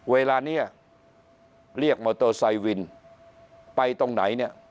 เวลานี้เรียกมอเตอร์ไซค์วินไปตรงไหนเนี่ย